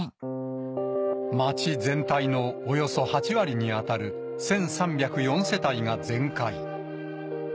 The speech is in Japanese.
町全体のおよそ８割に当たる１３０４世帯が全壊。